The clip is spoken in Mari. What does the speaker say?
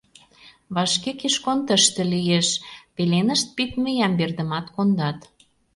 Вашке Кишкон тыште лиеш, пеленышт пидме Ямбердымат кондат.